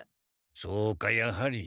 そうかやはり。